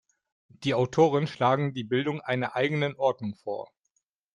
Die Autoren schlagen die Bildung einer eigenen Ordnung vor.